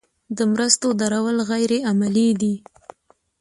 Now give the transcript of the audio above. د مرستو درول غیر عملي دي.